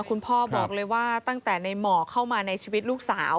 คุณพ่อบอกเลยว่าตั้งแต่ในหมอกเข้ามาในชีวิตลูกสาว